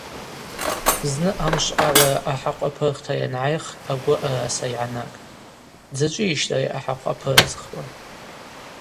Зны амшв агӏвара ахӏахъв апырхта йангӏайх агвы араса йгӏанагтӏ: – Дзачӏвыйищтӏ ари ахӏахъв апырызхуа?